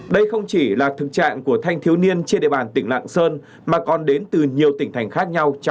đây không chỉ là thực trạng của thanh thiếu niên trên địa bàn tỉnh lạng sơn mà còn đến từ nhiều tỉnh thành khác nhau